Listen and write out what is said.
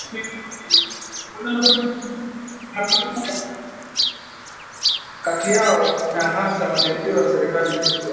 kati yao na hasa majaribio ya serikali ya Bizanti kuwalazimisha